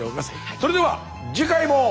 それでは次回も。